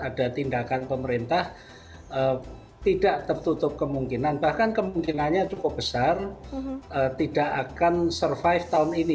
ada tindakan pemerintah tidak tertutup kemungkinan bahkan kemungkinannya cukup besar tidak akan survive tahun ini